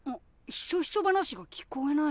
ひそひそ話が聞こえない。